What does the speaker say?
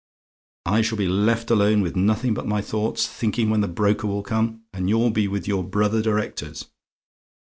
I shall be left alone with nothing but my thoughts, thinking when the broker will come, and you'll be with your brother directors.